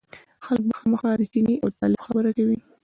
خلک به خامخا د چیني او طالب خبره کوي.